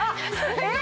えっ？